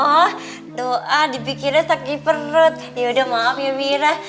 oh doa dipikirnya sakit perut yaudah maaf ya mira